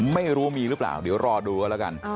ไม่รู้มีหรือเปล่าเดี๋ยวรอดูกันแล้วกัน